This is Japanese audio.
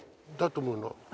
だと思うよ。